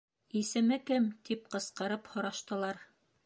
— Исеме кем? — тип ҡысҡырып һораштылар.